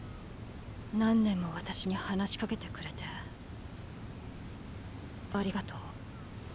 何年も私に話しかけてくれてありがとう。